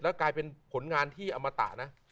กลายเป็นผลงานที่อมตะนะ